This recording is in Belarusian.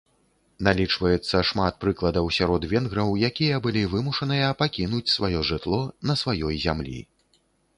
Налічваецца шмат прыкладаў сярод венграў, якія былі вымушаныя пакінуць сваё жытло на сваёй зямлі.